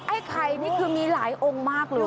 ไอ้ไข่นี่คือมีหลายองค์มากเลย